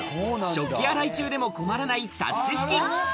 食器洗い中でも困らないタッチ式。